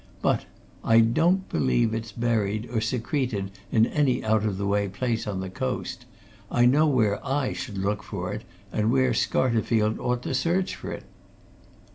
But I don't believe it's buried or secreted in any out of the way place on the coast. I know where I should look for it, and where Scarterfield ought to search for it."